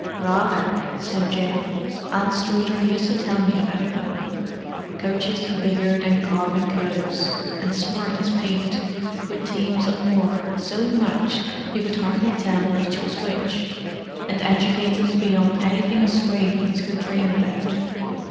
"Rather!" said Jim. "Anstruther used to tell me about them. Coaches bigger than Cobb & Co.'s, and smart as paint, with teams of four so matched you could hardly tell which was which—and educated beyond anything Australians could dream about.